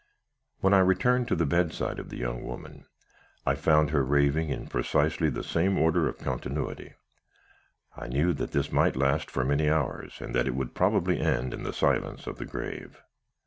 "When I returned to the bedside of the young woman, I found her raving in precisely the same order of continuity. I knew that this might last for many hours, and that it would probably end in the silence of the grave.